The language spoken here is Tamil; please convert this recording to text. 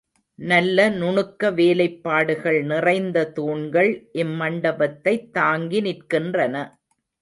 நல்ல நுணுக்க வேலைப்பாடுகள் நிறைந்த தூண்கள் இம்மண்டபத்தைத் தாங்கி நிற்கின்றன.